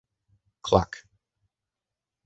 Cluck.